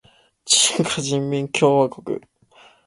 中華人民共和国